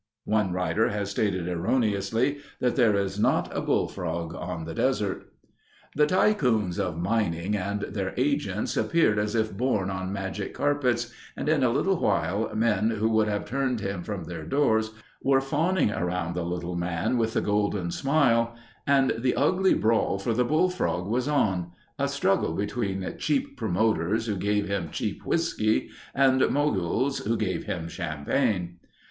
(One writer has stated erroneously that there is not a bullfrog on the desert.) The tycoons of mining and their agents appeared as if borne on magic carpets and in a little while men who would have turned him from their doors, were fawning around the little man with the golden smile and the ugly brawl for the Bullfrog was on—a struggle between cheap promoters who gave him cheap whiskey and moguls who gave him champagne.